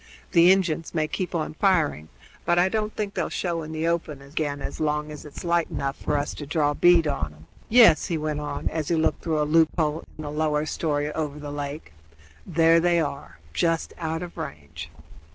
The Injuns may keep on firing, but I don't think they'll show in the open again as long as it's light enough for us to draw bead on 'em. Yes," he went on, as he looked through a loop hole in the lower story over the lake, "there they are, just out of range."